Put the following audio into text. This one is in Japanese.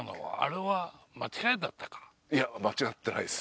いや間違ってないです